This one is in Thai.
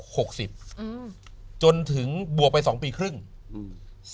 หกสิบอืมจนถึงบวกไปสองปีครึ่งอืม